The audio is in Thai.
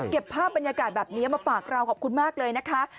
ภาพบรรยากาศแบบนี้มาฝากเราขอบคุณมากเลยนะคะ